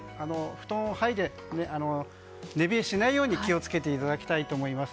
布団をはいで寝冷えしないように気を付けていただきたいと思います。